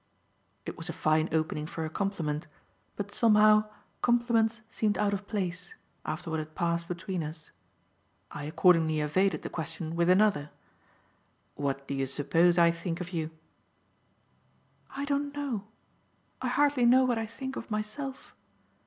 It was a fine opening for a compliment, but somehow, compliments seemed out of place, after what had passed between us. I accordingly evaded the question with another. "What do you suppose I think of you?" "I don't know. I hardly know what I think of myself.